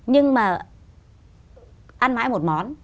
nhưng mà ăn mãi một món